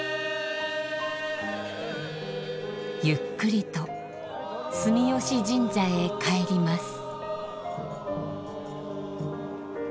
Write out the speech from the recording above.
ゆっくりと住吉神社へ帰ります。